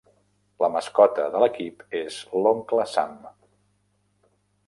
La mascota de l'equip és l'oncle Sam.